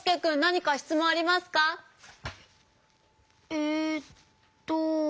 えっと。